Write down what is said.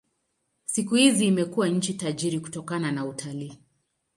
Siku hizi imekuwa nchi tajiri kutokana na utalii.